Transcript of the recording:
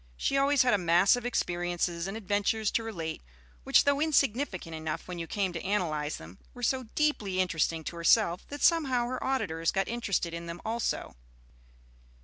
She always had a mass of experiences and adventures to relate, which though insignificant enough when you came to analyze them, were so deeply interesting to herself that somehow her auditors got interested in them also.